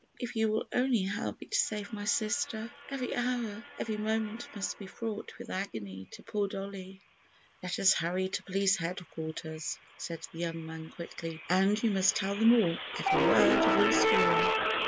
If you will only help me to save my sister! Every hour, every moment must be fraught with agony to poor Dollie." "Let us hurry to Police Headquarters," said the young man, quickly, "and you must tell them all—every word of your story."